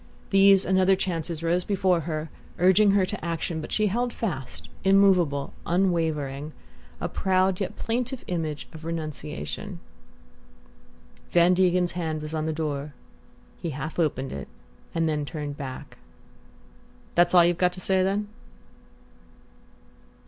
These and other chances rose before her, urging her to action; but she held fast, immovable, unwavering, a proud yet plaintive image of renunciation. Van Degen's hand was on the door. He half opened it and then turned back. "That's all you've got to say, then?"